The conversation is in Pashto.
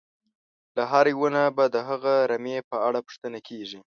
له هر یوه نه به د هغه رمې په اړه پوښتنه کېږي.